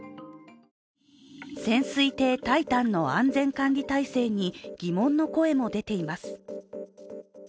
潜水艇「タイタン」の安全管理態勢に疑問の声も出ています。